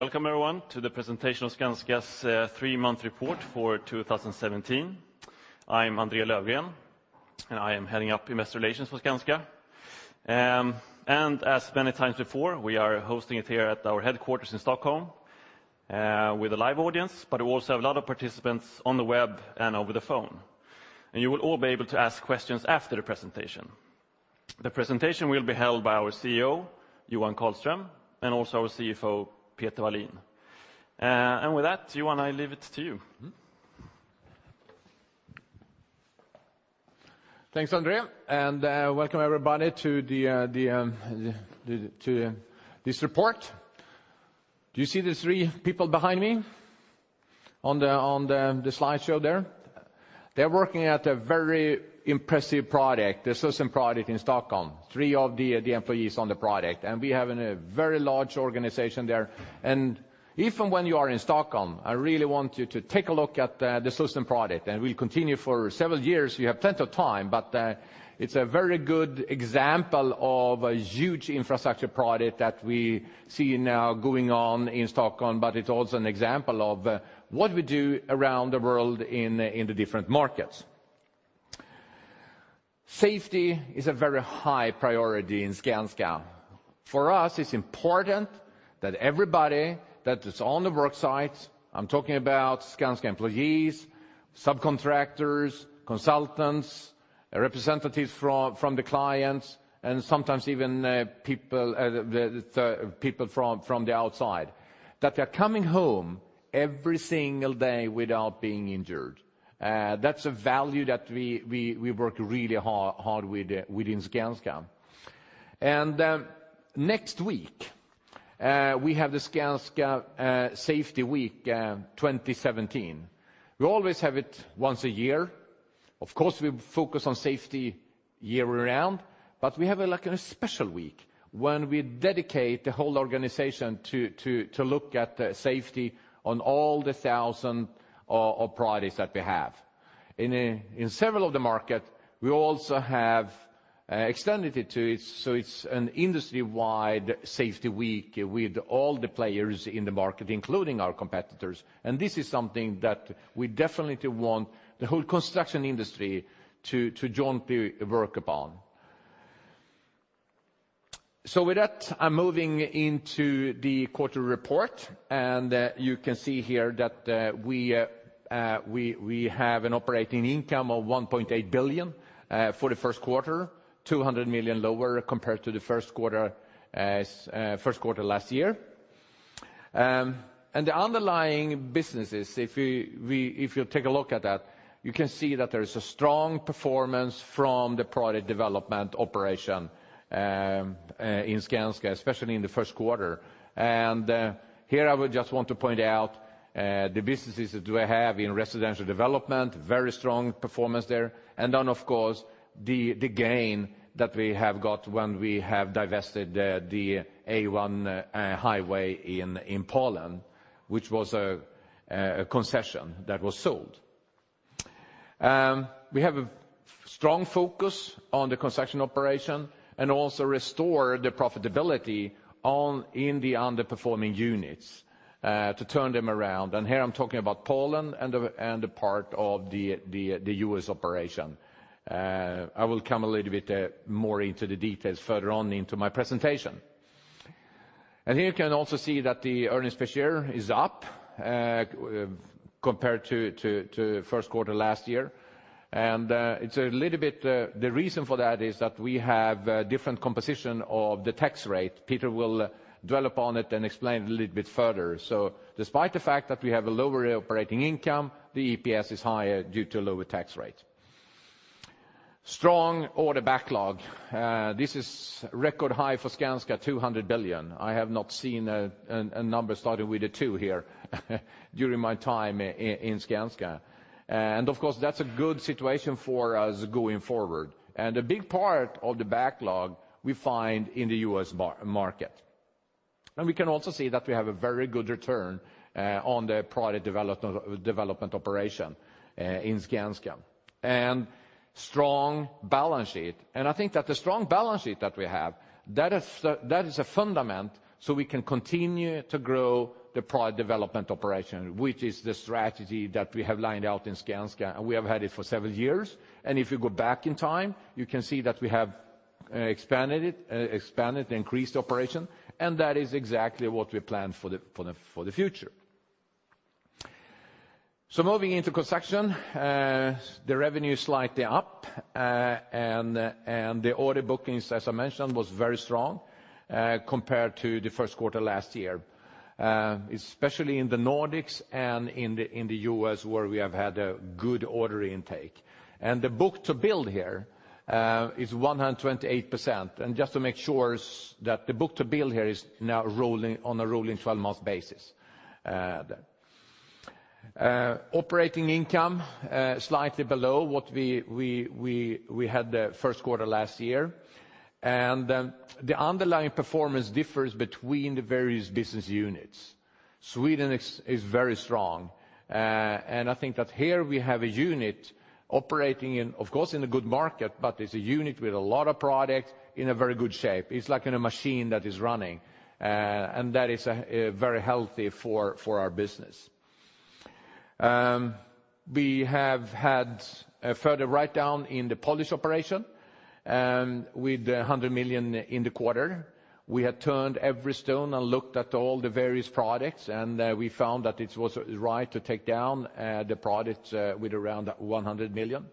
Welcome, everyone, to the presentation of Skanska's three-month report for 2017. I'm André Löfgren, and I am heading up Investor Relations for Skanska. As many times before, we are hosting it here at our headquarters in Stockholm with a live audience, but we also have a lot of participants on the web and over the phone. You will all be able to ask questions after the presentation. The presentation will be held by our CEO, Johan Karlström, and also our CFO, Peter Wallin. With that, Johan, I leave it to you. Mm-hmm. Thanks, André, and welcome, everybody, to this report. Do you see the three people behind me on the slideshow there? They're working at a very impressive project, the Slussen project in Stockholm, three of the employees on the project, and we have a very large organization there. And even when you are in Stockholm, I really want you to take a look at the Slussen project, and it will continue for several years. We have plenty of time, but it's a very good example of a huge infrastructure project that we see now going on in Stockholm. But it's also an example of what we do around the world in the different markets. Safety is a very high priority in Skanska. For us, it's important that everybody that is on the work site, I'm talking about Skanska employees, subcontractors, consultants, representatives from the clients, and sometimes even people from the outside, that they're coming home every single day without being injured. That's a value that we work really hard with within Skanska. Next week, we have the Skanska Safety Week, 2017. We always have it once a year. Of course, we focus on safety year-round, but we have like a special week when we dedicate the whole organization to look at safety on all the thousands of projects that we have. In several of the markets, we also have extended it to its, so it's an industry-wide safety week with all the players in the market, including our competitors, and this is something that we definitely want the whole construction industry to join to work upon. So with that, I'm moving into the quarterly report, and you can see here that we have an operating income of 1.8 billion for the first quarter, 200 million lower compared to the first quarter as first quarter last year. And the underlying businesses, if you take a look at that, you can see that there is a strong performance from the property development operation in Skanska, especially in the first quarter. Here, I would just want to point out the businesses that we have in residential development, very strong performance there. Then, of course, the gain that we have got when we have divested the A1 highway in Poland, which was a concession that was sold. We have a strong focus on the construction operation and also restore the profitability on, in the underperforming units, to turn them around. And here I'm talking about Poland and a part of the U.S. operation. I will come a little bit more into the details further on into my presentation. And here you can also see that the earnings per share is up, compared to first quarter last year. And, it's a little bit... The reason for that is that we have a different composition of the tax rate. Peter will dwell upon it and explain it a little bit further. So despite the fact that we have a lower operating income, the EPS is higher due to lower tax rate. Strong order backlog, this is record high for Skanska, 200 billion. I have not seen a, an, a number starting with a two here, during my time in, in Skanska. And of course, that's a good situation for us going forward. And a big part of the backlog we find in the US market. And we can also see that we have a very good return on the property development operations in Skanska. Strong balance sheet, and I think that the strong balance sheet that we have, that is the, that is a foundation, so we can continue to grow the Project Development operation, which is the strategy that we have lined out in Skanska, and we have had it for several years. If you go back in time, you can see that we have expanded it, increased operation, and that is exactly what we plan for the future. Moving into construction, the revenue slightly up, and the order bookings, as I mentioned, was very strong compared to the first quarter last year, especially in the Nordics and in the U.S., where we have had a good order intake. The book-to-bill here is 128%. Just to make sure that the book-to-bill here is now rolling on a rolling 12-month basis. Operating income slightly below what we had the first quarter last year. The underlying performance differs between the various business units. Sweden is very strong, and I think that here we have a unit operating in, of course, in a good market, but it's a unit with a lot of project in a very good shape. It's like in a machine that is running, and that is very healthy for our business. We have had a further write-down in the Polish operation with 100 million in the quarter. We had turned every stone and looked at all the various projects, and we found that it was right to take down the project with around 100 million.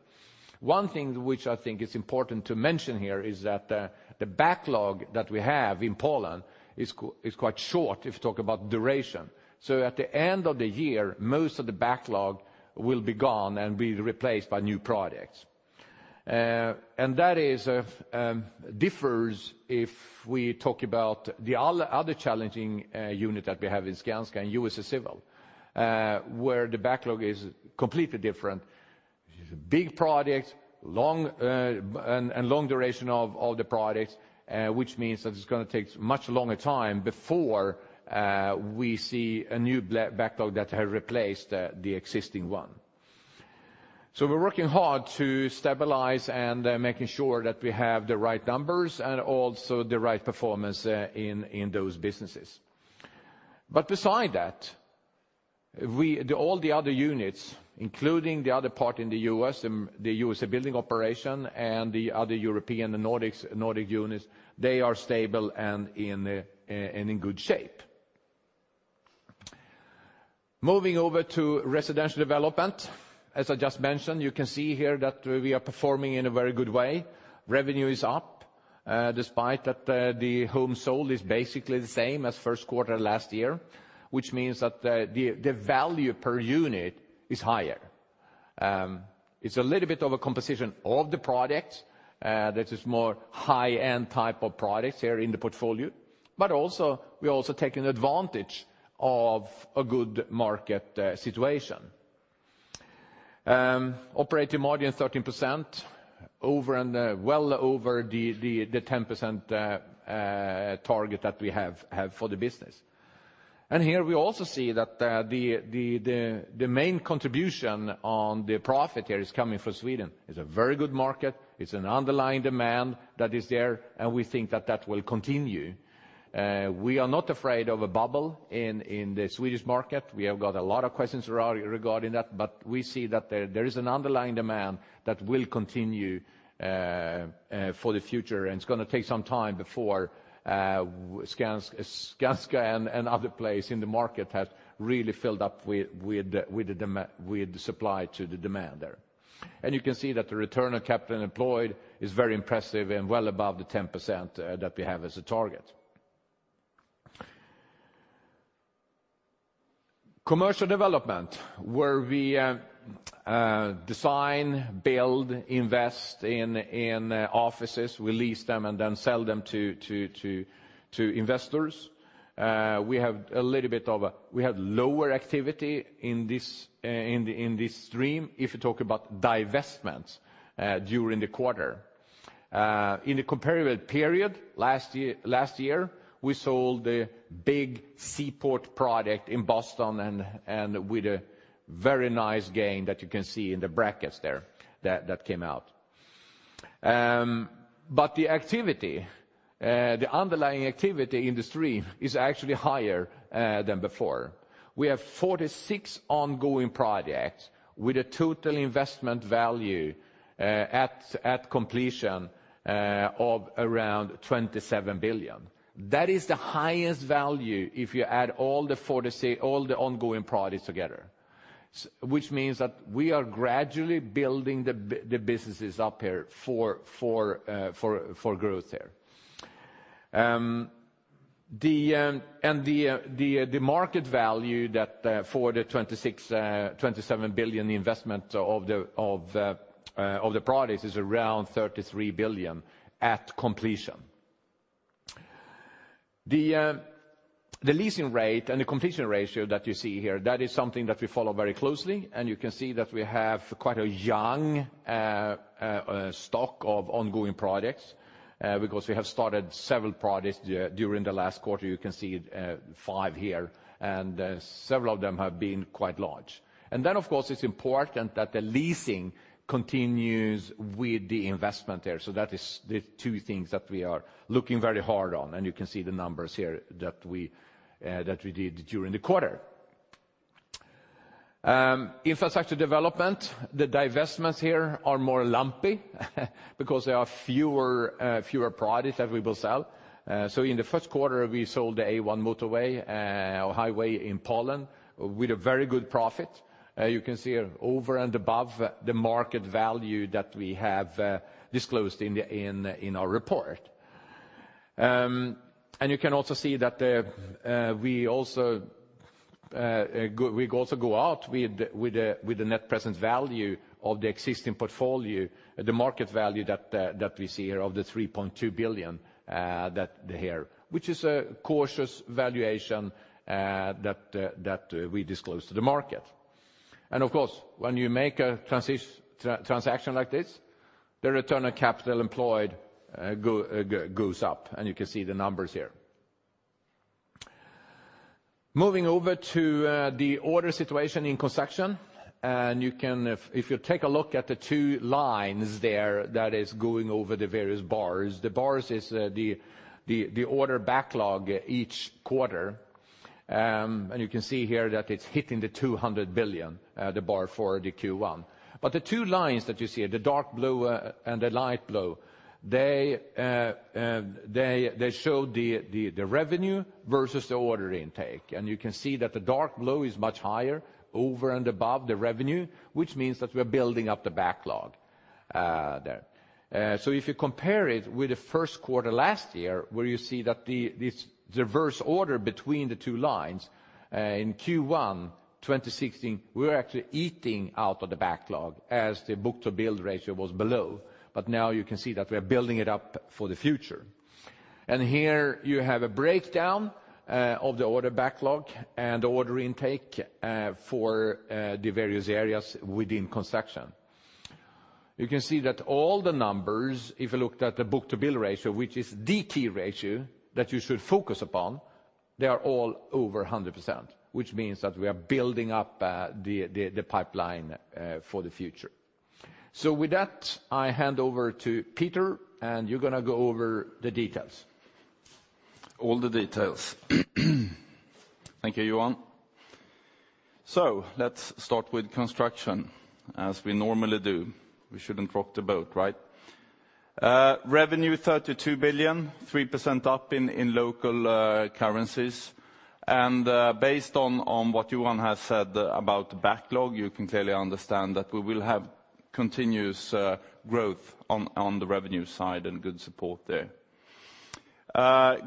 One thing which I think is important to mention here is that the backlog that we have in Poland is quite short, if you talk about duration. So at the end of the year, most of the backlog will be gone and be replaced by new projects. And that is differs if we talk about the other challenging unit that we have in Skanska, in USA Civil, where the backlog is completely different. Big project, long, and long duration of the projects, which means that it's gonna take much longer time before we see a new backlog that have replaced the existing one. So we're working hard to stabilize and making sure that we have the right numbers and also the right performance in those businesses. But beside that, we all the other units, including the other part in the U.S., the USA Building operation, and the other European and Nordics, Nordic units, they are stable and in good shape. Moving over to residential development, as I just mentioned, you can see here that we are performing in a very good way. Revenue is up, despite that, the homes sold is basically the same as first quarter last year, which means that the value per unit is higher. It's a little bit of a composition of the projects that is more high-end type of projects here in the portfolio, but also, we're also taking advantage of a good market situation. Operating margin 13%, over and well over the 10% target that we have for the business. Here we also see that the main contribution on the profit here is coming from Sweden. It's a very good market, it's an underlying demand that is there, and we think that that will continue. We are not afraid of a bubble in the Swedish market. We have got a lot of questions around regarding that, but we see that there is an underlying demand that will continue for the future, and it's gonna take some time before Skanska and other place in the market has really filled up with the supply to the demand there. You can see that the return on capital employed is very impressive and well above the 10% that we have as a target. Commercial development, where we design, build, invest in offices, we lease them, and then sell them to investors. We have lower activity in this stream if you talk about divestments during the quarter. In the comparable period last year, we sold the big Seaport project in Boston and with a very nice gain that you can see in the brackets there, that came out. But the activity, the underlying activity in the stream is actually higher than before. We have 46 ongoing projects with a total investment value at completion of around 27 billion. That is the highest value if you add all the 46 ongoing projects together. Which means that we are gradually building the businesses up here for growth there. The market value that for the 26 billion-27 billion investment of the projects is around 33 billion at completion. The leasing rate and the completion ratio that you see here, that is something that we follow very closely, and you can see that we have quite a young stock of ongoing projects because we have started several projects during the last quarter. You can see five here, and several of them have been quite large. Then, of course, it's important that the leasing continues with the investment there. So that is the two things that we are looking very hard on, and you can see the numbers here that we that we did during the quarter. Infrastructure development, the divestments here are more lumpy, because there are fewer fewer projects that we will sell. So in the first quarter, we sold the A1 motorway highway in Poland with a very good profit. You can see over and above the market value that we have disclosed in the in in our report. And you can also see that, we also go out with the net present value of the existing portfolio, the market value that we see here of 3.2 billion, that here, which is a cautious valuation, that we disclose to the market. And of course, when you make a transaction like this, the return on capital employed goes up, and you can see the numbers here. Moving over to the order situation in construction, and you can, if you take a look at the two lines there that is going over the various bars, the bars is the order backlog each quarter. And you can see here that it's hitting the 200 billion bar for the Q1. But the two lines that you see, the dark blue and the light blue, they show the revenue versus the order intake. And you can see that the dark blue is much higher over and above the revenue, which means that we're building up the backlog there. So if you compare it with the first quarter last year, where you see that this diverse order between the two lines in Q1 2016, we were actually eating out of the backlog as the book-to-bill ratio was below. But now you can see that we are building it up for the future. Here you have a breakdown of the order backlog and order intake for the various areas within construction. You can see that all the numbers, if you looked at the book-to-bill ratio, which is the key ratio that you should focus upon, they are all over 100%, which means that we are building up the pipeline for the future. So with that, I hand over to Peter, and you're gonna go over the details. All the details. Thank you, Johan. So let's start with construction, as we normally do. We shouldn't rock the boat, right? Revenue 32 billion, 3% up in local currencies. And based on what Johan has said about the backlog, you can clearly understand that we will have continuous growth on the revenue side and good support there.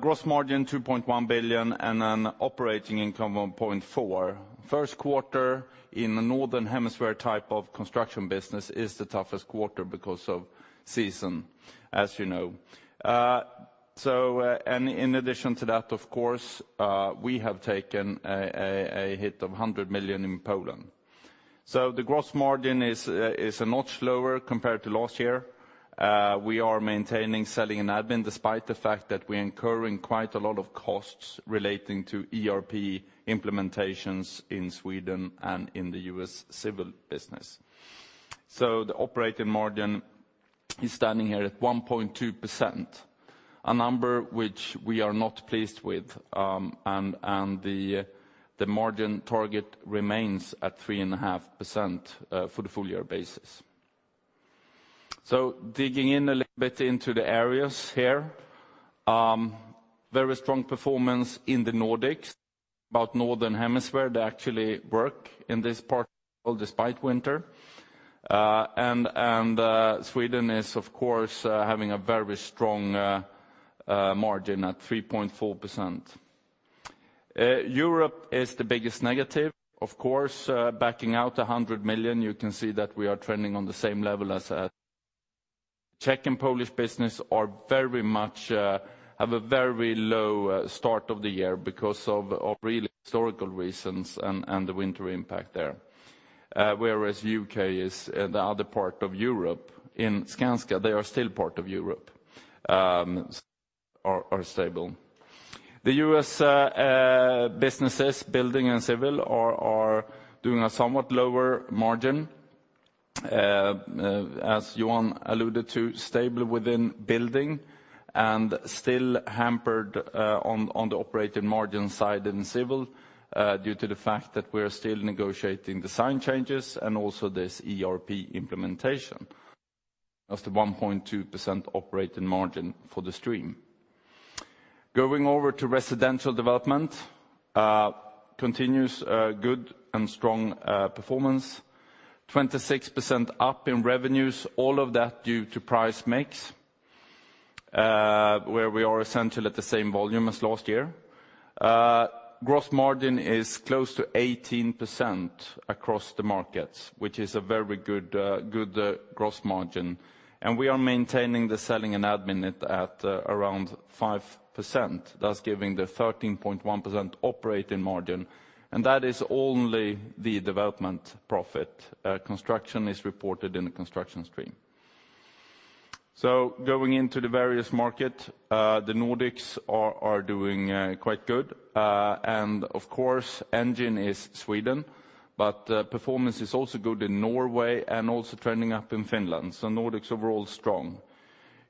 Gross margin, 2.1 billion, and an operating income of 1.4 billion. First quarter in the Northern Hemisphere type of construction business is the toughest quarter because of season, as you know. So, in addition to that, of course, we have taken a hit of 100 million in Poland. So the gross margin is a notch lower compared to last year. We are maintaining selling and admin, despite the fact that we're incurring quite a lot of costs relating to ERP implementations in Sweden and in the U.S. civil business. So the operating margin is standing here at 1.2%, a number which we are not pleased with, and the margin target remains at 3.5%, for the full-year basis. So digging in a little bit into the areas here, very strong performance in the Nordics, about Northern Hemisphere. They actually work in this part despite winter. And Sweden is, of course, having a very strong margin at 3.4%. Europe is the biggest negative, of course, backing out 100 million, you can see that we are trending on the same level as... Czech and Polish business are very much have a very low start of the year because of really historical reasons and the winter impact there. Whereas U.K. is the other part of Europe. In Skanska, they are still part of Europe, are stable. The U.S. businesses, Building and Civil, are doing a somewhat lower margin, as Johan alluded to, stable within building and still hampered on the operating margin side in civil, due to the fact that we are still negotiating the design changes and also this ERP implementation. That's the 1.2% operating margin for the stream. Going over to residential development, continues good and strong performance, 26% up in revenues, all of that due to price mix, where we are essentially at the same volume as last year. Gross margin is close to 18% across the markets, which is a very good gross margin. And we are maintaining the selling and admin at around 5%, thus giving the 13.1% operating margin. And that is only the development profit. Construction is reported in the construction stream. So going into the various market, the Nordics are doing quite good. And of course, engine is Sweden, but performance is also good in Norway and also trending up in Finland. So Nordics overall strong.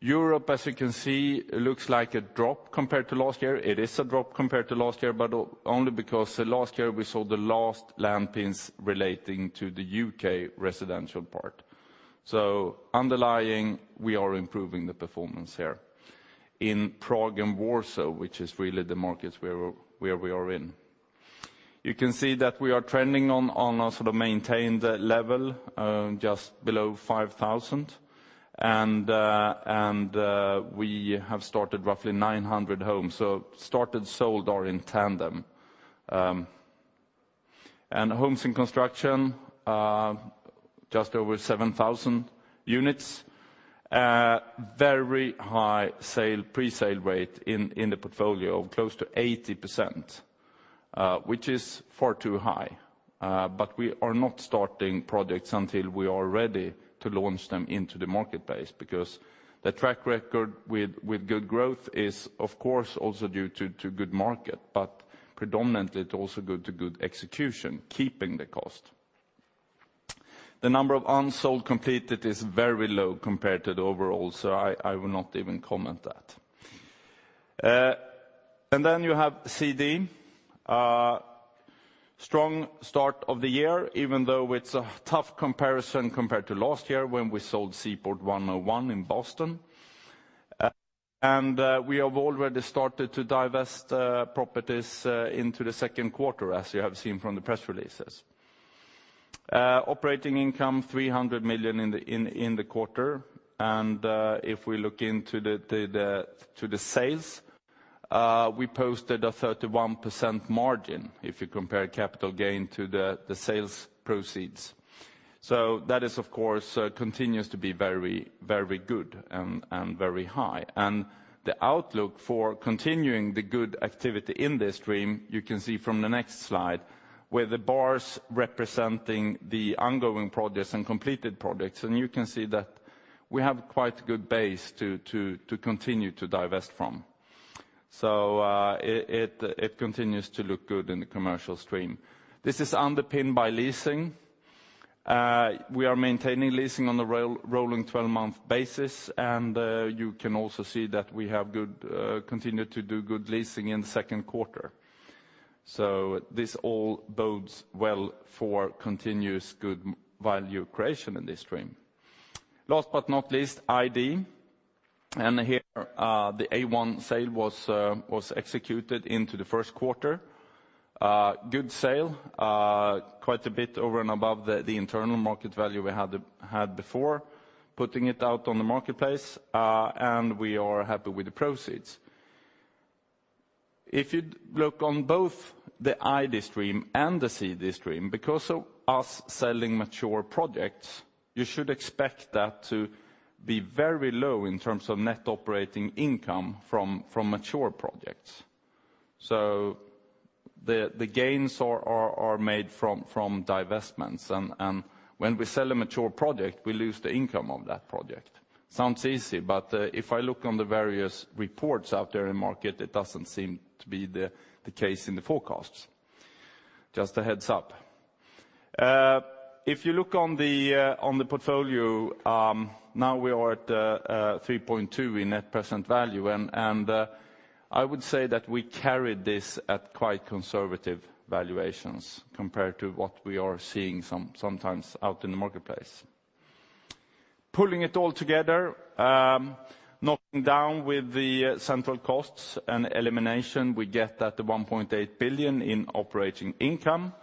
Europe, as you can see, looks like a drop compared to last year. It is a drop compared to last year, but only because last year we saw the last land gains relating to the UK residential part. So underlying, we are improving the performance here. In Prague and Warsaw, which is really the markets where we're, where we are in, you can see that we are trending on, on a sort of maintained level, just below 5,000. And, and, we have started roughly 900 homes. So started, sold, or in tandem. And homes in construction, just over 7,000 units, very high sale, presale rate in, in the portfolio, close to 80%.... which is far too high. But we are not starting projects until we are ready to launch them into the marketplace, because the track record with good growth is, of course, also due to good market, but predominantly it's also due to good execution, keeping the cost. The number of unsold completed is very low compared to the overall, so I will not even comment that. And then you have CD. Strong start of the year, even though it's a tough comparison compared to last year when we sold 101 Seaport in Boston. And we have already started to divest properties into the second quarter, as you have seen from the press releases. Operating income 300 million in the quarter. And if we look into the to the sales, we posted a 31% margin, if you compare capital gain to the sales proceeds. So that is, of course, continues to be very, very good and very high. And the outlook for continuing the good activity in this stream, you can see from the next slide, where the bars representing the ongoing projects and completed projects. And you can see that we have quite a good base to continue to divest from. So it continues to look good in the commercial stream. This is underpinned by leasing. We are maintaining leasing on a rolling 12-month basis, and you can also see that we have good, continue to do good leasing in the second quarter. So this all bodes well for continuous good value creation in this stream. Last but not least, ID. And here, the A1 sale was executed into the first quarter. Good sale, quite a bit over and above the internal market value we had before putting it out on the marketplace, and we are happy with the proceeds. If you'd look on both the ID stream and the CD stream, because of us selling mature projects, you should expect that to be very low in terms of net operating income from mature projects. So the gains are made from divestments, and when we sell a mature project, we lose the income on that project. Sounds easy, but if I look on the various reports out there in market, it doesn't seem to be the case in the forecasts. Just a heads-up. If you look on the portfolio, now we are at 3.2 in net present value, and I would say that we carried this at quite conservative valuations compared to what we are seeing sometimes out in the marketplace. Pulling it all together, knocking down with the central costs and elimination, we get that 1.8 billion in operating income.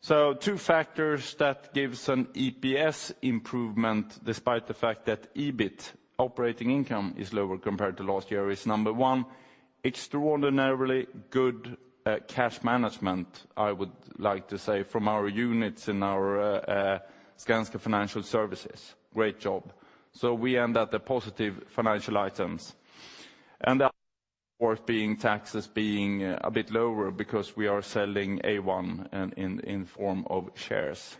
So two factors that gives an EPS improvement, despite the fact that EBIT operating income is lower compared to last year, is number one, extraordinarily good cash management, I would like to say, from our units in our Skanska Financial Services. Great job. So we end at the positive financial items. And the other part being taxes being a bit lower because we are selling A1 in form of shares.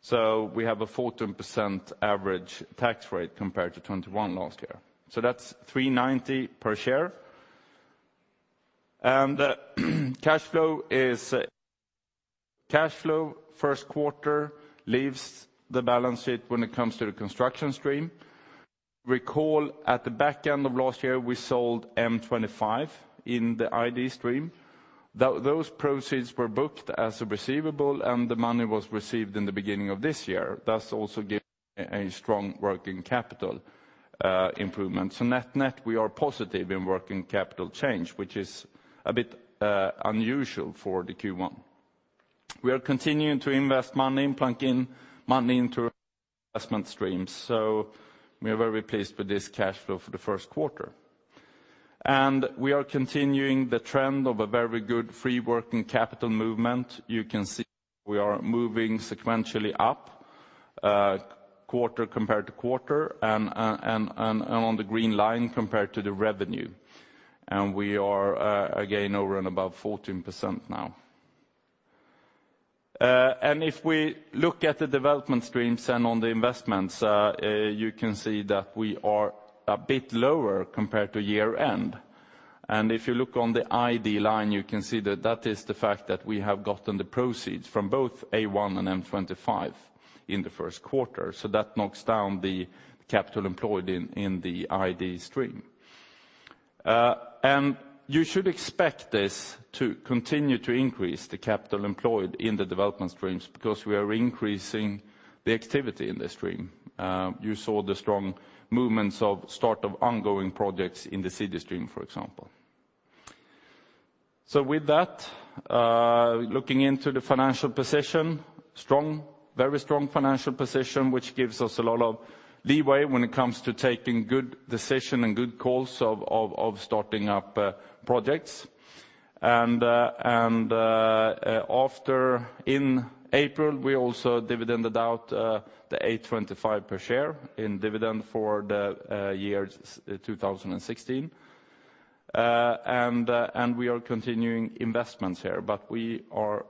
So we have a 14% average tax rate compared to 21% last year. So that's 3.90 per share. And cash flow first quarter leaves the balance sheet when it comes to the construction stream. Recall, at the back end of last year, we sold M25 in the ID stream. Those proceeds were booked as a receivable, and the money was received in the beginning of this year, thus also giving a strong working capital improvement. So net-net, we are positive in working capital change, which is a bit unusual for the Q1. We are continuing to invest money and plunk in money into investment streams, so we are very pleased with this cash flow for the first quarter. We are continuing the trend of a very good free working capital movement. You can see we are moving sequentially up, quarter compared to quarter, and on the green line compared to the revenue. We are, again, over and above 14% now. If we look at the development streams and on the investments, you can see that we are a bit lower compared to year-end. If you look on the ID line, you can see that that is the fact that we have gotten the proceeds from both A1 and M25 in the first quarter, so that knocks down the capital employed in the ID stream. You should expect this to continue to increase, the capital employed in the development streams, because we are increasing the activity in the stream. You saw the strong movements of start of ongoing projects in the CD stream, for example. So with that, looking into the financial position, strong, very strong financial position, which gives us a lot of leeway when it comes to taking good decision and good calls of starting up projects. In April, we also dividended out the 8.25 per share in dividend for the year 2016. We are continuing investments here, but we are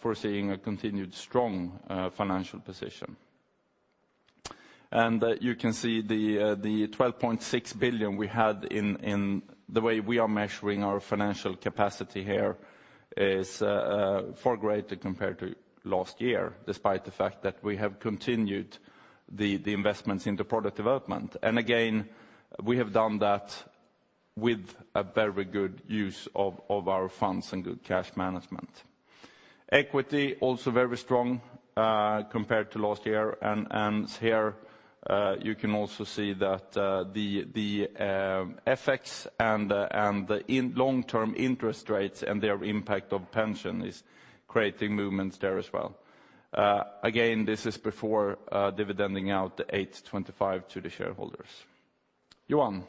foreseeing a continued strong financial position. You can see the 12.6 billion we had in the way we are measuring our financial capacity here is far greater compared to last year, despite the fact that we have continued the investments into Project Development. And again, we have done that with a very good use of our funds and good cash management. Equity, also very strong, compared to last year. And here, you can also see that the effects and the long-term interest rates and their impact on pension is creating movements there as well. Again, this is before dividending out the 8.25 to the shareholders. Johan?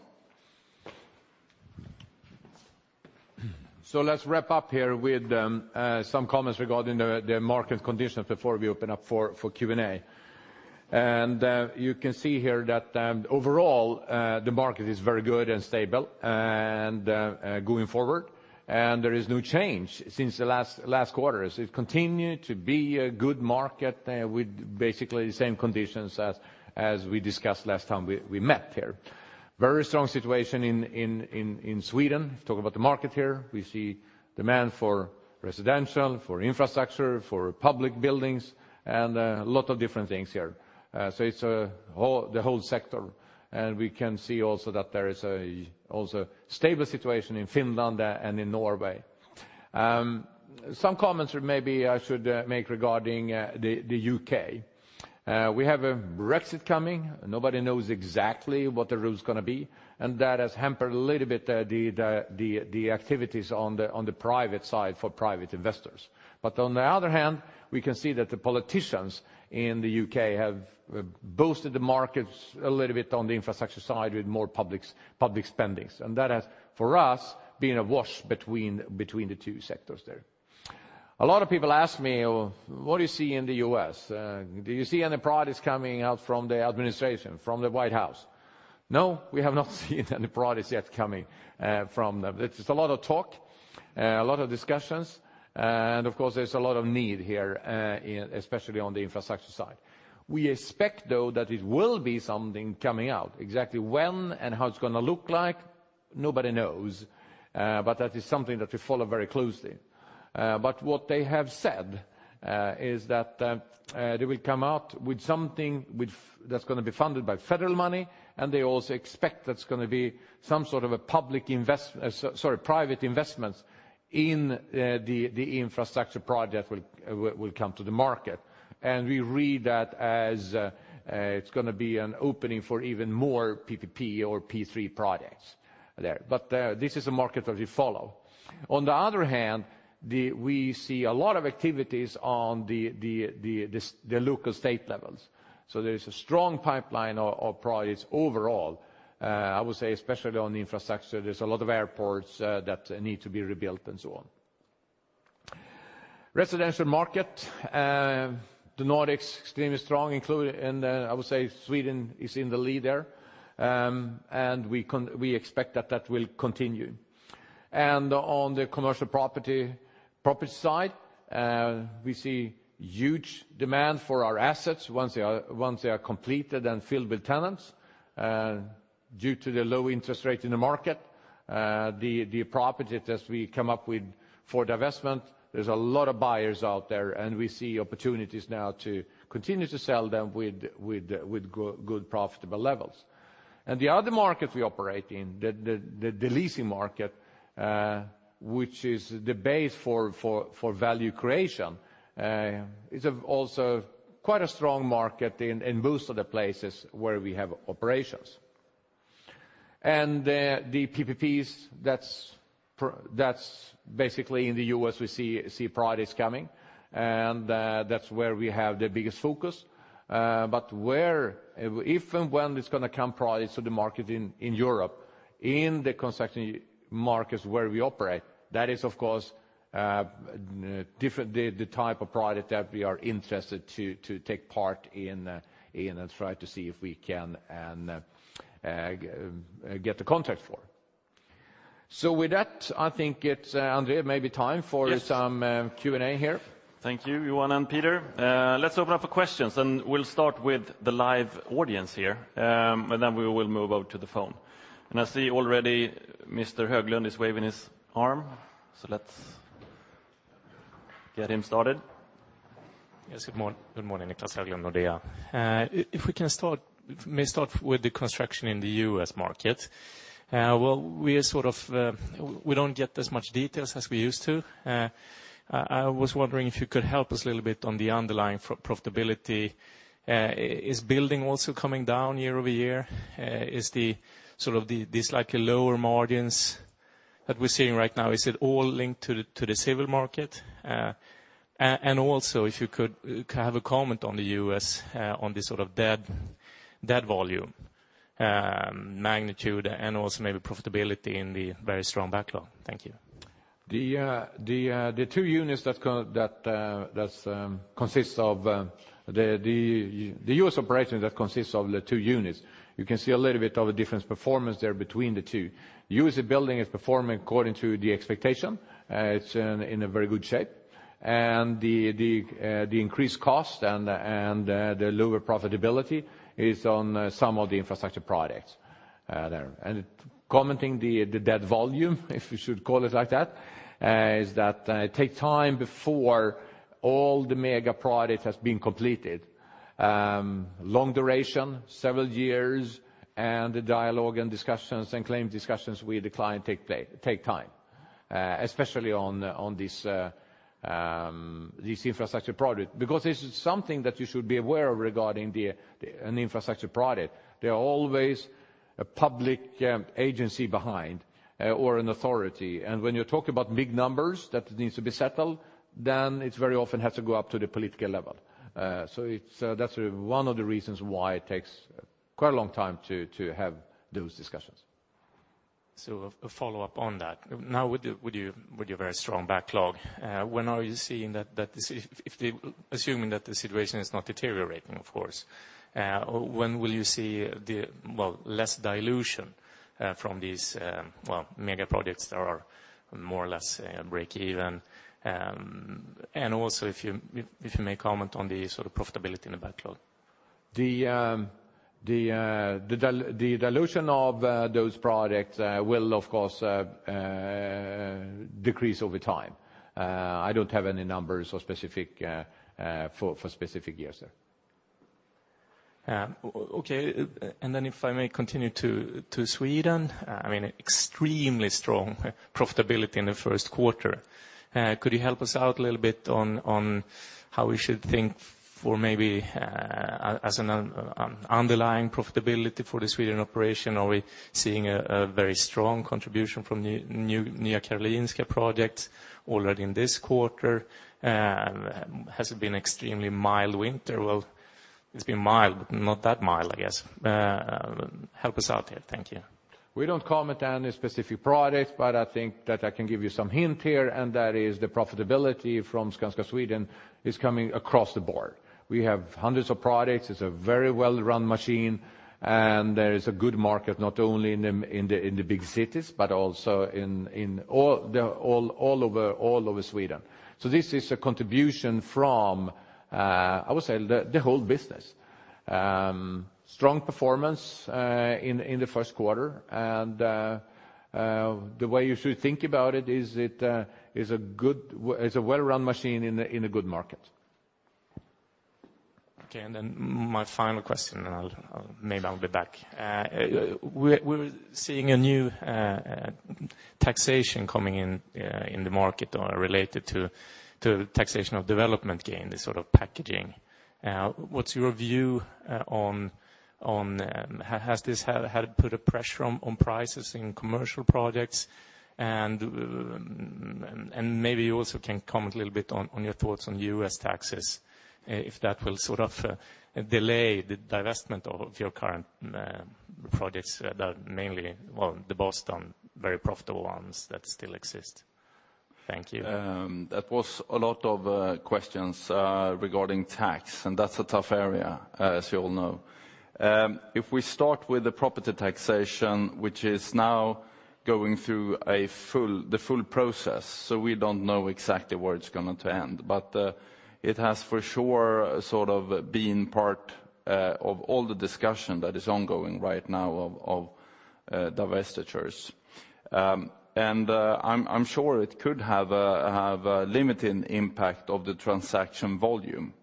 So let's wrap up here with some comments regarding the market conditions before we open up for Q&A. And you can see here that overall the market is very good and stable and going forward. And there is no change since the last quarter. So it continue to be a good market with basically the same conditions as we discussed last time we met here. Very strong situation in Sweden. Talk about the market here, we see demand for residential, for infrastructure, for public buildings, and a lot of different things here. So it's the whole sector, and we can see also that there is also stable situation in Finland and in Norway. Some comments maybe I should make regarding the UK. We have a Brexit coming. Nobody knows exactly what the rules gonna be, and that has hampered a little bit the activities on the private side for private investors. But on the other hand, we can see that the politicians in the U.K. have boosted the markets a little bit on the infrastructure side with more public spendings. And that has, for us, been a wash between the two sectors there. A lot of people ask me, "Well, what do you see in the U.S.? Do you see any projects coming out from the administration, from the White House?" No, we have not seen any projects yet coming from them. It's a lot of talk, a lot of discussions, and of course, there's a lot of need here, in especially on the infrastructure side. We expect, though, that it will be something coming out. Exactly when and how it's gonna look like, nobody knows, but that is something that we follow very closely. But what they have said is that they will come out with something that's gonna be funded by federal money, and they also expect that's gonna be some sort of a private investments in the infrastructure project will come to the market. And we read that as it's gonna be an opening for even more PPP or P3 projects there. But this is a market that we follow. On the other hand, we see a lot of activities on the local state levels, so there is a strong pipeline of projects overall. I would say, especially on the infrastructure, there's a lot of airports that need to be rebuilt and so on. Residential market, the Nordics, extremely strong, including, and I would say Sweden is in the lead there. And we expect that that will continue. And on the commercial property, property side, we see huge demand for our assets once they are, once they are completed and filled with tenants. Due to the low interest rate in the market, the properties that we come up with for divestment, there's a lot of buyers out there, and we see opportunities now to continue to sell them with, with good profitable levels. And the other market we operate in, the leasing market, which is the base for value creation, is also quite a strong market in most of the places where we have operations. And the PPPs, that's basically in the U.S., we see projects coming, and that's where we have the biggest focus. But where, if and when it's gonna come projects to the market in Europe, in the construction markets where we operate, that is, of course, different, the type of project that we are interested to take part in and try to see if we can and get the contract for. So with that, I think it's André, maybe time for- Yes. - some Q&A here. Thank you, Johan and Peter. Let's open up for questions, and we'll start with the live audience here, and then we will move over to the phone. I see already Mr. Höglund is waving his arm, so let's get him started. Yes, good morning. Good morning, Niclas Höglund, Nordea. If we can start, may start with the construction in the U.S. market. Well, we are sort of, we don't get as much details as we used to. I was wondering if you could help us a little bit on the underlying profitability. Is building also coming down year-over-year? Is the sort of these like lower margins that we're seeing right now all linked to the civil market? And also, if you could have a comment on the U.S., on the sort of debt volume magnitude and also maybe profitability in the very strong backlog? Thank you. The two units that kind of, that, that's, consists of the US operation that consists of the two units, you can see a little bit of a difference performance there between the two. USA building is performing according to the expectation. It's in a very good shape, and the increased cost and the lower profitability is on some of the infrastructure projects there. Commenting the debt volume, if you should call it like that, is that it takes time before all the mega projects have been completed. Long duration, several years, and the dialogue and discussions and claim discussions with the client take time, especially on this infrastructure project. Because this is something that you should be aware of regarding an infrastructure project. There are always a public agency behind or an authority. And when you talk about big numbers that needs to be settled, then it very often has to go up to the political level. So it's that's one of the reasons why it takes quite a long time to have those discussions. So, a follow-up on that. Now, with your very strong backlog, when are you seeing that... Assuming that the situation is not deteriorating, of course, when will you see the, well, less dilution from these, well, mega projects that are more or less break even? And also if you may comment on the sort of profitability in the backlog. The dilution of those projects will of course decrease over time. I don't have any numbers or specific for specific years there. Yeah. Okay, and then if I may continue to Sweden, I mean, extremely strong profitability in the first quarter. Could you help us out a little bit on how we should think for maybe as an underlying profitability for the Sweden operation? Are we seeing a very strong contribution from new Nya Karolinska project already in this quarter? Has it been extremely mild winter? Well, it's been mild, but not that mild, I guess. Help us out here. Thank you. We don't comment on any specific project, but I think that I can give you some hint here, and that is the profitability from Skanska Sweden is coming across the board. We have hundreds of projects. It's a very well-run machine, and there is a good market, not only in the big cities, but also all over Sweden. So this is a contribution from, I would say, the whole business. Strong performance in the first quarter, and the way you should think about it is it is a good... It's a well-run machine in a good market. Okay, and then my final question, and I'll maybe be back. We're seeing a new taxation coming in in the market or related to taxation of development gain, this sort of packaging. What's your view on has this had it put a pressure on prices in commercial projects? And maybe you also can comment a little bit on your thoughts on U.S. taxes, if that will sort of delay the divestment of your current projects, that mainly, well, the Boston, very profitable ones that still exist. Thank you. That was a lot of questions regarding tax, and that's a tough area, as you all know. If we start with the property taxation, which is now going through the full process, so we don't know exactly where it's going to end. But it has for sure sort of been part of all the discussion that is ongoing right now of divestitures. And I'm sure it could have a limiting impact of the transaction volume.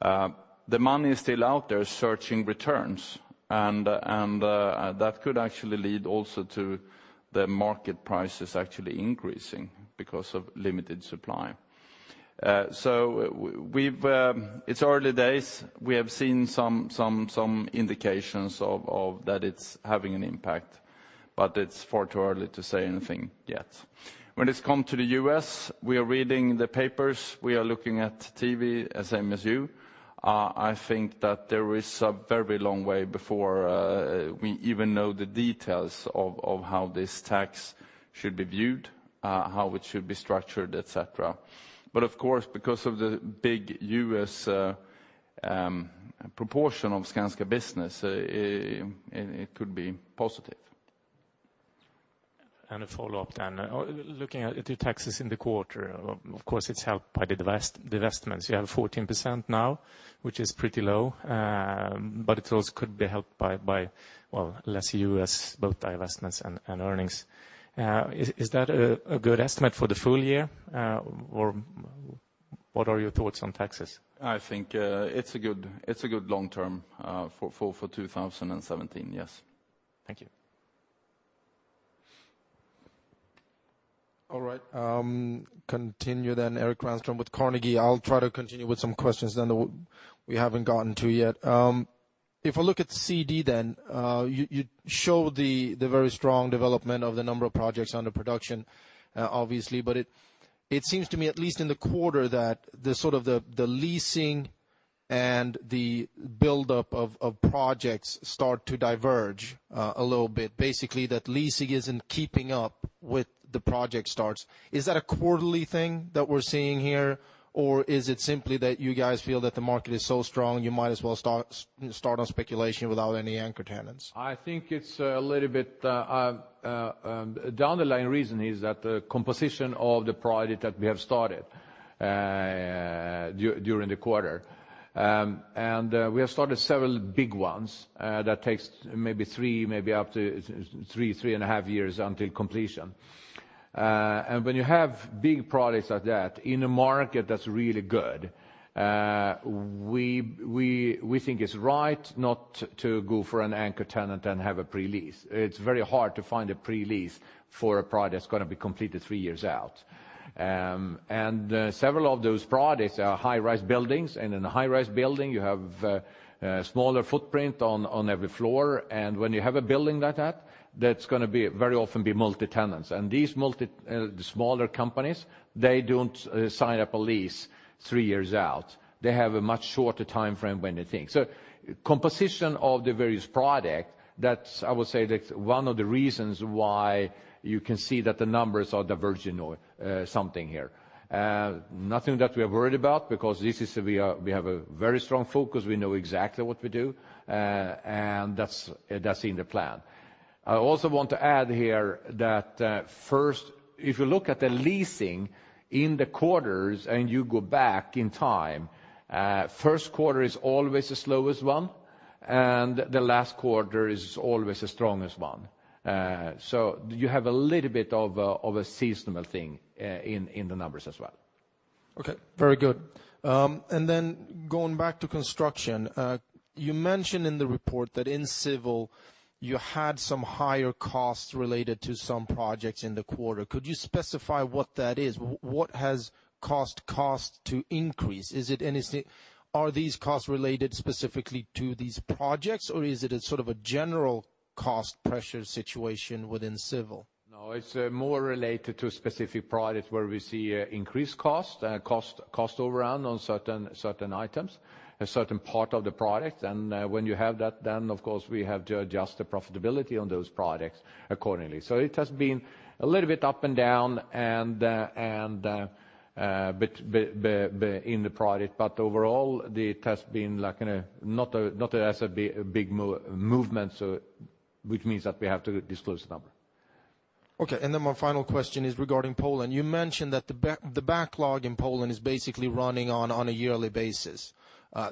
The money is still out there searching returns, and that could actually lead also to the market prices actually increasing because of limited supply. So we've, it's early days. We have seen some indications of that it's having an impact, but it's far too early to say anything yet. When it comes to the US, we are reading the papers, we are looking at TV, same as you. I think that there is a very long way before we even know the details of how this tax should be viewed, how it should be structured, et cetera. But of course, because of the big US proportion of Skanska business, it could be positive. A follow-up then. Looking at the taxes in the quarter, of course, it's helped by the divestments. You have 14% now, which is pretty low, but it also could be helped by, well, less U.S., both divestments and earnings. Is that a good estimate for the full year, or what are your thoughts on taxes? I think it's a good long term for 2017, yes. Thank you. All right, continue then, Erik Granström with Carnegie. I'll try to continue with some questions then that we haven't gotten to yet. If I look at CD, then, you show the very strong development of the number of projects under projection, obviously, but it seems to me, at least in the quarter, that the leasing and the buildup of projects start to diverge a little bit. Basically, that leasing isn't keeping up with the project starts. Is that a quarterly thing that we're seeing here? Or is it simply that you guys feel that the market is so strong, you might as well start on speculation without any anchor tenants? I think it's a little bit. The underlying reason is that the composition of the project that we have started during the quarter. And we have started several big ones that takes maybe three, maybe up to three, 3.5 years until completion. And when you have big projects like that in a market that's really good, we think it's right not to go for an anchor tenant and have a pre-lease. It's very hard to find a pre-lease for a project that's gonna be completed three years out. And several of those projects are high-rise buildings, and in a high-rise building, you have a smaller footprint on every floor. And when you have a building like that, that's gonna be very often be multi-tenants. And these multi-, the smaller companies, they don't sign up a lease three years out. They have a much shorter timeframe when they think. So composition of the various project, that's, I would say, that's one of the reasons why you can see that the numbers are diverging or something here. Nothing that we are worried about, because this is a, we are, we have a very strong focus. We know exactly what we do. And that's, that's in the plan. I also want to add here that, first, if you look at the leasing in the quarters and you go back in time, first quarter is always the slowest one, and the last quarter is always the strongest one. So you have a little bit of a, of a seasonal thing, in, in the numbers as well. Okay, very good. And then going back to construction, you mentioned in the report that in civil, you had some higher costs related to some projects in the quarter. Could you specify what that is? What has caused costs to increase? Are these costs related specifically to these projects, or is it a sort of a general cost pressure situation within civil? No, it's more related to specific projects where we see increased cost overrun on certain items, a certain part of the project. And when you have that, then, of course, we have to adjust the profitability on those projects accordingly. So it has been a little bit up and down, and a bit in the project, but overall, it has been like in a, not a, not as a big movement, so which means that we have to disclose the number. Okay, and then my final question is regarding Poland. You mentioned that the backlog in Poland is basically running on, on a yearly basis.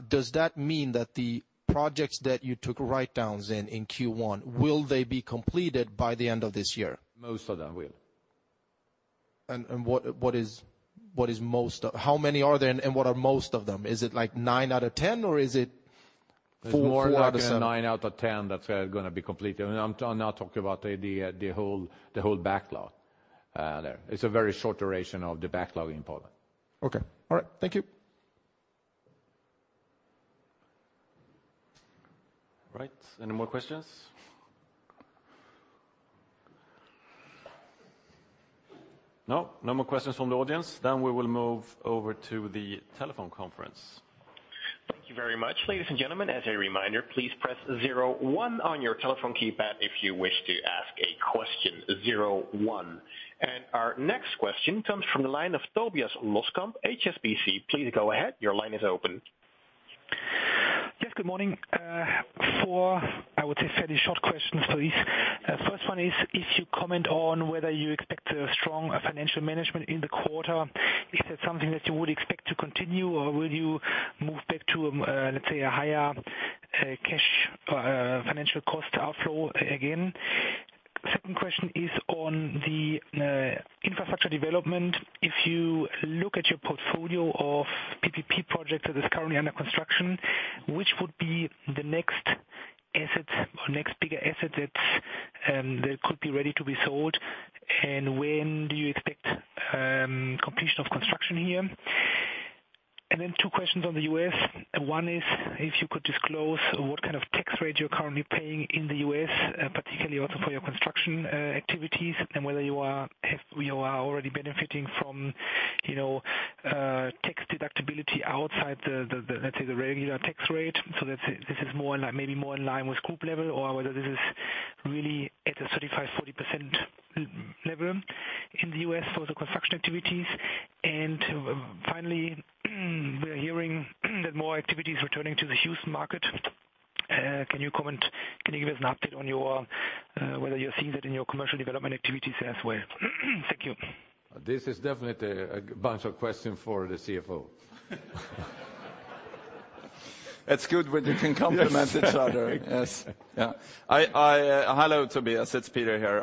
Does that mean that the projects that you took writedowns in Q1 will they be completed by the end of this year? Most of them will. And what is most of... How many are there, and what are most of them? Is it, like, nine out of 10, or is it four out of- More like nine out of 10 that are gonna be completed. I'm not talking about the whole backlog there. It's a very short duration of the backlog in Poland. Okay. All right, thank you. Right. Any more questions? No, no more questions from the audience. Then we will move over to the telephone conference. Thank you very much, ladies and gentlemen. As a reminder, please press zero one on your telephone keypad if you wish to ask a question, zero one. Our next question comes from the line of Tobias Loskamp, HSBC. Please go ahead. Your line is open. Yes, good morning. Four, I would say, fairly short questions, please. First one is, if you comment on whether you expect a strong financial management in the quarter, is that something that you would expect to continue, or will you move back to, let's say, a higher cash financial cost outflow again? Second question is on the infrastructure development. If you look at your portfolio of PPP projects that is currently under construction, which would be the next asset or next bigger asset that could be ready to be sold, and when do you expect completion of construction here? And then two questions on the U.S. One is, if you could disclose what kind of tax rate you're currently paying in the U.S., particularly also for your construction activities, and whether you are already benefiting from, you know, tax deductibility outside the, the, let's say, the regular tax rate. So this is more in line, maybe more in line with group level, or whether this is really at a 35%-40% level in the U.S. for the construction activities. And finally, we're hearing that more activity is returning to the Houston market. Can you comment, can you give us an update on your, whether you're seeing that in your commercial development activities as well? Thank you. This is definitely a bunch of questions for the CFO. It's good when you can complement each other. Yes. Yes. Yeah. Hello, Tobias, it's Peter here.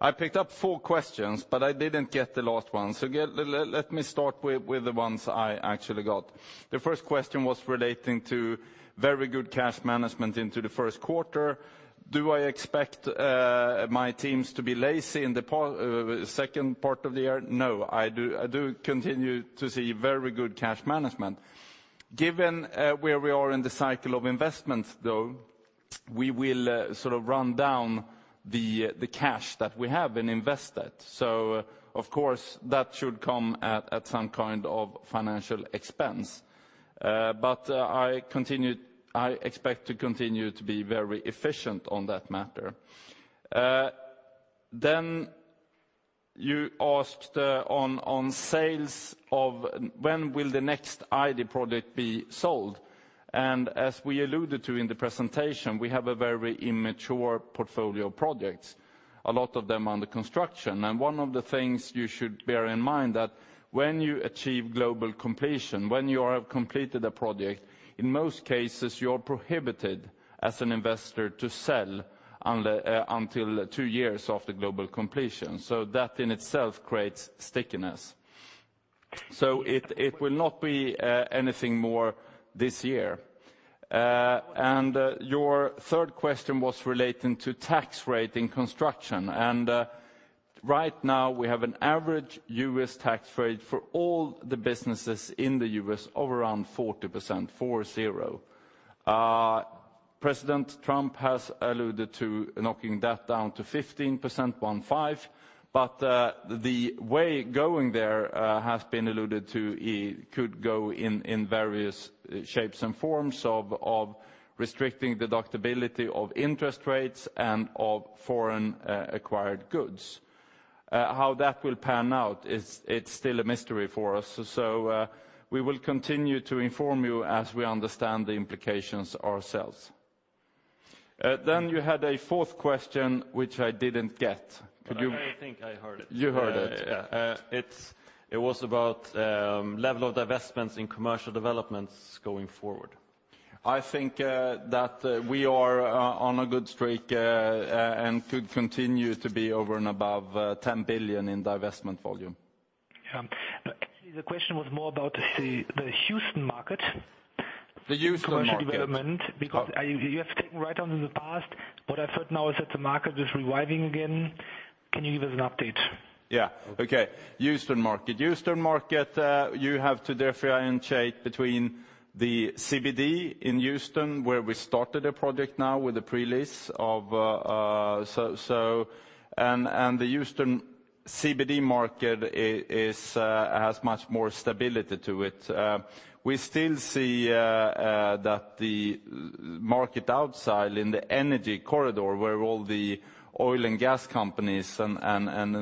I picked up four questions, but I didn't get the last one. So let me start with the ones I actually got. The first question was relating to very good cash management into the first quarter. Do I expect my teams to be lazy in the second part of the year? No, I continue to see very good cash management. Given where we are in the cycle of investments, though-... we will sort of run down the cash that we have and invest that. So of course, that should come at some kind of financial expense. But I continue, I expect to continue to be very efficient on that matter. Then you asked on sales of when will the next ID project be sold? And as we alluded to in the presentation, we have a very immature portfolio of projects, a lot of them under construction. And one of the things you should bear in mind that when you achieve global completion, when you have completed a project, in most cases, you are prohibited as an investor to sell under until two years after global completion. So that in itself creates stickiness. So it will not be anything more this year. Your third question was relating to tax rate in construction. Right now, we have an average U.S. tax rate for all the businesses in the U.S. of around 40%. President Trump has alluded to knocking that down to 15%, but the way going there has been alluded to. It could go in various shapes and forms of restricting deductibility of interest rates and of foreign acquired goods. How that will pan out is - it's still a mystery for us. So, we will continue to inform you as we understand the implications ourselves. Then you had a fourth question, which I didn't get. Could you- I think I heard it. You heard it? Yeah. It's, it was about level of divestments in commercial developments going forward. I think, that, we are on a good streak, and could continue to be over and above 10 billion in divestment volume. Yeah. Actually, the question was more about the Houston market- The Houston market Commercial development, because you have taken write-down in the past, but I've heard now is that the market is reviving again. Can you give us an update? Yeah. Okay. Houston market. You have to differentiate between the CBD in Houston, where we started a project now with the pre-lease of—so, and the Houston CBD market has much more stability to it. We still see that the market outside, in the Energy Corridor, where all the oil and gas companies and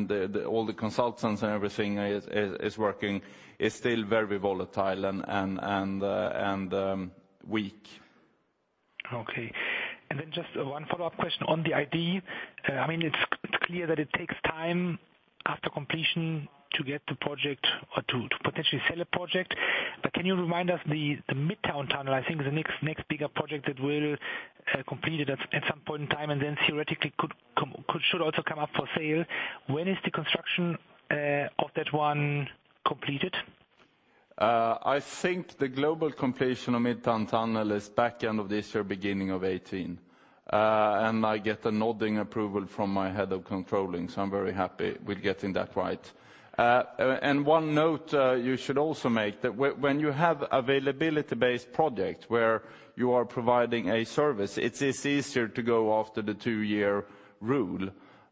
the consultants and everything is working, is still very volatile and weak. Okay. And then just one follow-up question on the ID. I mean, it's clear that it takes time after completion to get the project or to potentially sell a project. But can you remind us the Midtown Tunnel, I think, is the next bigger project that will completed at some point in time, and then theoretically, could come... could, should also come up for sale. When is the construction of that one completed? I think the global completion of Midtown Tunnel is back end of this year, beginning of 2018. And I get a nodding approval from my head of controlling, so I'm very happy with getting that right. And one note, you should also make, that when you have availability-based project where you are providing a service, it is easier to go after the two-year rule.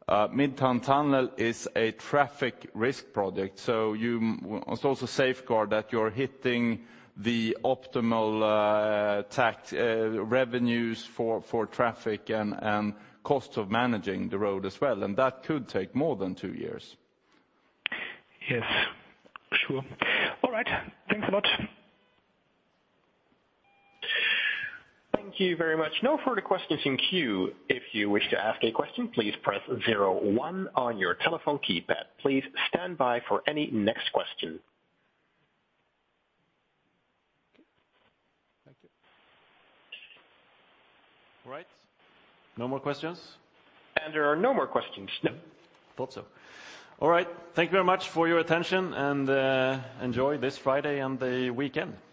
Midtown Tunnel is a traffic risk project, so you must also safeguard that you're hitting the optimal tax revenues for traffic and costs of managing the road as well, and that could take more than two years. Yes, sure. All right. Thanks a lot. Thank you very much. No further questions in queue. If you wish to ask a question, please press zero one on your telephone keypad. Please stand by for any next question. Thank you. All right. No more questions? There are no more questions, no. Thought so. All right. Thank you very much for your attention, and enjoy this Friday and the weekend. Thank you.